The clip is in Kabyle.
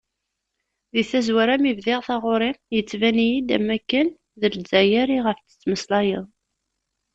Deg tazwara mi bdiɣ taɣuri, yettban-iyi-d am wakken d Lzzayer i ɣef d-tettmeslayeḍ.